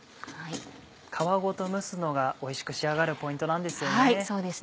皮ごと蒸すのがおいしく仕上がるポイントなんですよね。